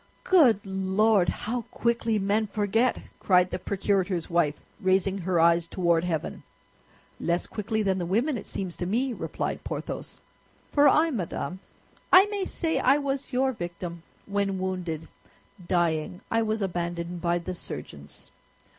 "Good Lord, how quickly men forget!" cried the procurator's wife, raising her eyes toward heaven. "Less quickly than the women, it seems to me," replied Porthos; "for I, madame, I may say I was your victim, when wounded, dying, I was abandoned by the surgeons.